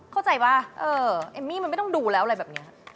เข้าใจป่ะเออเอมมี่มันไม่ต้องดูแล้วอะไรแบบนี้